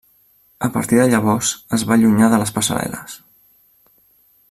A partir de llavors es va allunyar de les passarel·les.